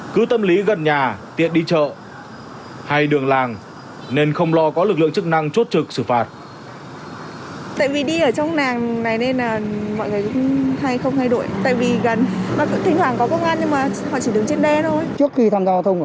cứ tâm lý gần nhà tiện đi chợ hay đường làng nên không lo có lực lượng chức năng chốt trực xử phạt